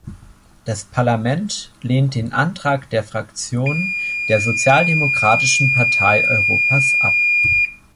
Das Parlament lehnt den Antrag der Fraktion der Sozialdemokratischen Partei Europas ab.